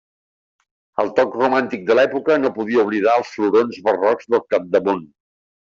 El toc romàntic de l'època no podia oblidar els florons barrocs del capdamunt.